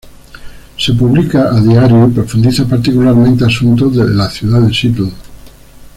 Se publica a diario y profundiza particularmente asuntos de la ciudad de Seattle.